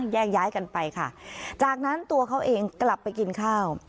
แยกย้ายกันไปค่ะจากนั้นตัวเขาเองกลับไปกินข้าว